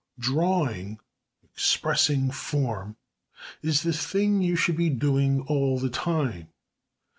Drawing (expressing form) is the thing you should be doing all the time.